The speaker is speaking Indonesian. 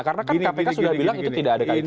karena kan kpk sudah bilang itu tidak ada kaitannya